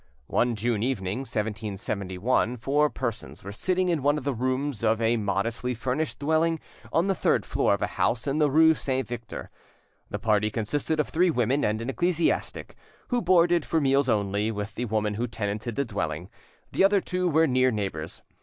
One June evening, 1771, four persons were sitting in one of the rooms of a modestly furnished, dwelling on the third floor of a house in the rue Saint Victor. The party consisted of three women and an ecclesiastic, who boarded, for meals only, with the woman who tenanted the dwelling; the other two were near neighbours.